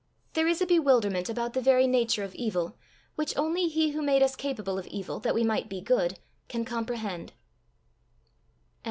There is a bewilderment about the very nature of evil which only he who made us capable of evil that we might be good, can comprehend.